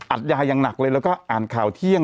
อัดยาอย่างหนักเลยแล้วก็อ่านข่าวเที่ยง